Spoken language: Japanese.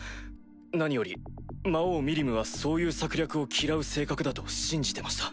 何より魔王ミリムはそういう策略を嫌う性格だと信じてました。